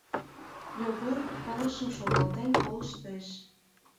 Йогор пылышым шогалтен колыштеш.